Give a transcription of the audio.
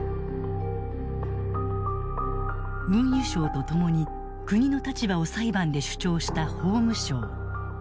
運輸省と共に国の立場を裁判で主張した法務省。